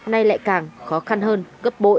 nay lại càng khó khăn hơn gấp bội